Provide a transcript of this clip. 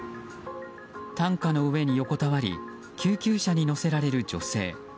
担架の上に横たわり救急車に乗せられる女性。